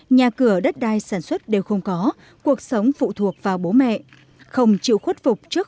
nhà cửa đất đai sản xuất đều không có cuộc sống phụ thuộc vào bố mẹ không chịu khuất phục trước